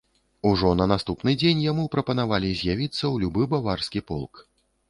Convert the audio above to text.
Ужо на наступны дзень яму прапанавалі з'явіцца ў любы баварскі полк.